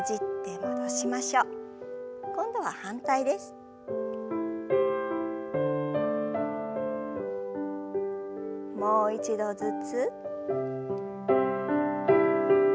もう一度ずつ。